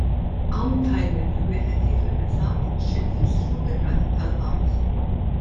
Hawn tajjeb li wieħed jifhem eżatt x'infissru bir-rati tal-qgħad.